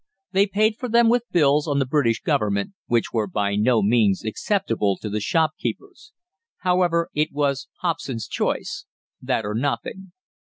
They paid for them with bills on the British Government, which were by no means acceptable to the shopkeepers. However, it was 'Hobson's choice' that or nothing.